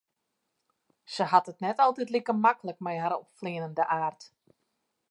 Se hat it net altyd like maklik mei har opfleanende aard.